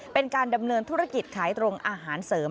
เป็นการดำเนินธุรกิจขายตรงอาหารเสริม